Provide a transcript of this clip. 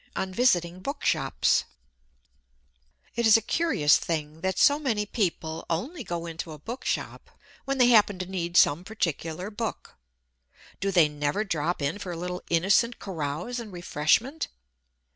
ON VISITING BOOKSHOPS It Is a curious thing that so many people only go into a bookshop when they happen to need some particular book. Do they never drop in for a little innocent carouse and refreshment?